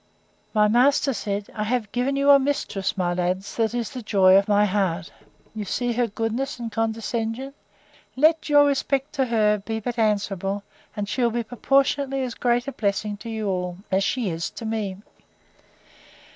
My master said, I have given you a mistress, my lads, that is the joy of my heart: You see her goodness and condescension! Let your respects to her be but answerable, and she'll be proportionately as great a blessing to you all, as she is to me.